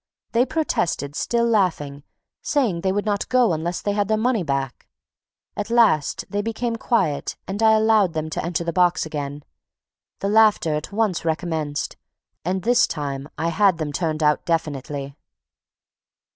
They protested, still laughing, saying they would not go unless they had their money back. At last, they became quiet and I allowed them to enter the box again. The laughter at once recommenced; and, this time, I had them turned out definitely.